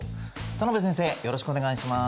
田邊先生よろしくお願いします。